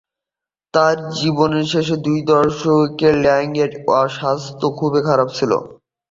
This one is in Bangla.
তার জীবনের শেষ দুই দশকে, ল্যাংয়ের স্বাস্থ্য খুব খারাপ ছিল।